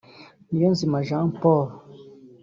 Niyonzima Jean Paul